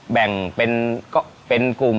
แบ่งเป็นกลุ่ม